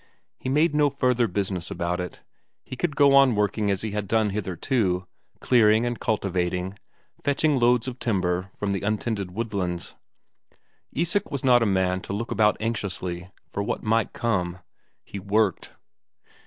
He made no further business about it; he could go on working as he had done hitherto, clearing and cultivating, fetching loads of timber from the untended woodlands. Isak was not a man to look about anxiously for what might come; he worked.